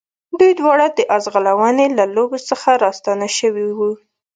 دوی دواړه د آس ځغلونې له لوبو څخه راستانه شوي وو.